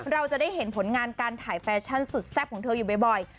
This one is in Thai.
เราจะได้เห็นผลงานการถ่ายแฟชั่นสุดแซ่บของเธออยู่บ่อย